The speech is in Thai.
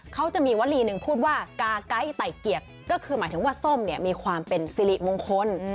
เขาจะมีวลีหนึ่งพูดว่ากาไก๊ไต่เกียรติก็คือหมายถึงว่าส้มเนี่ยมีความเป็นสิริมงคล